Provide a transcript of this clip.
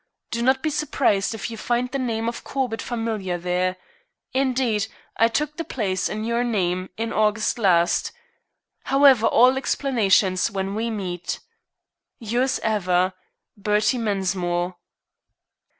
Do not be surprised if you find the name of Corbett familiar there. Indeed, I took the place in your name in August last. However, all explanations when we meet. "Yours ever, "BERTIE MENSMORE."